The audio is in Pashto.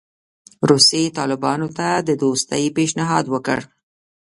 روسیې طالبانو ته د دوستۍ پېشنهاد وکړ.